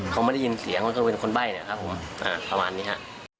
เขาไม่ได้ยินเสียงเขาเป็นคนใบ้เนี่ยครับผมอ่าประมาณนี้ค่ะ